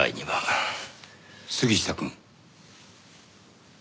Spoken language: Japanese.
杉下くん。